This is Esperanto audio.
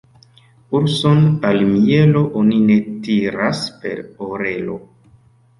Urson al mielo oni ne tiras per orelo.